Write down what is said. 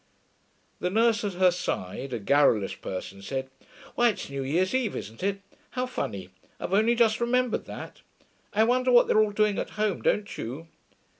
The nurse at her side, a garrulous person, said, 'Why, it's new year's eve, isn't it? How funny. I've only just remembered that!... I wonder what they're all doing at home, don't you?'